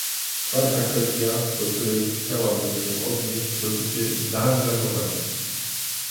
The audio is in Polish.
Czwarta kwestia, do której chciałabym się odnieść, dotyczy zaangażowania